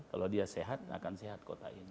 kalau dia sehat akan sehat kota ini